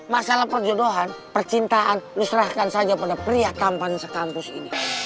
masalah perjodohan percintaan lu serahkan saja pada pria tampan sekampus ini